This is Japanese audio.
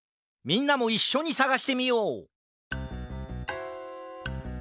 みんなもいっしょにさがしてみよう！